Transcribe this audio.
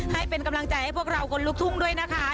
ให้เป็นกำลังใจให้พวกเราคนลุกทุ่งด้วยนะคะ